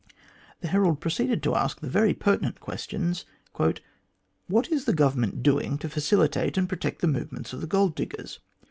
The Herald proceeded to ask the very pertinent ques tions : "What is the Government doing to facilitate and protect the movements of the gold diggers